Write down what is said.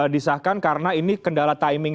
disahkan karena ini kendala timing